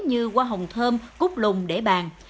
như hoa hồng thơm cút lùng để bàn